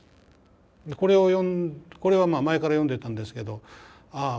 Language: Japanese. これをこれは前から読んでたんですけどあ